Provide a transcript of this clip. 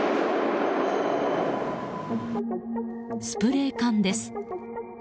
スプレー缶です。